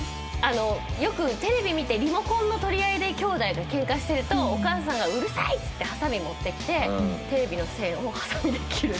よくテレビ見てリモコンの取り合いできょうだいがケンカしてるとお母さんが「うるさい」っつってはさみ持ってきてテレビの線をはさみで切る。